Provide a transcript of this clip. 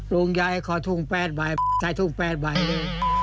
ลุงใหญ่ขอทุ่ม๘บ่ายใส่ทุ่ม๘บ่ายเลย